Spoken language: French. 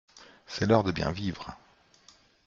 C’est l’heure de bien vivre.